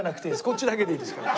こっちだけでいいですから。